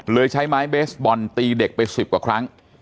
ใช้ไม้เบสบอลตีเด็กไป๑๐กว่าครั้ง